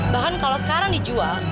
bahkan kalau sekarang dijual